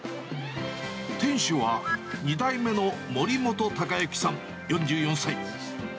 店主は２代目の森本貴之さん４４歳。